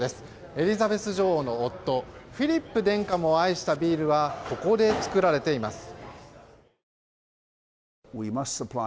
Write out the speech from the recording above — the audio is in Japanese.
エリザベス女王の夫フィリップ殿下も愛したビールはここで造られています。